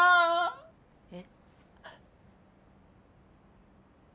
えっ？